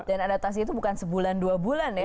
dan adaptasi itu bukan sebulan dua bulan ya